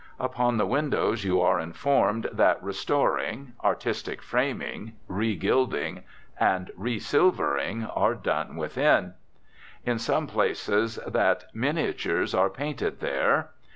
Upon the windows you are informed that "restoring," "artistic framing," "regilding," and "resilvering" are done within. And, in some cases, that "miniatures" are painted there.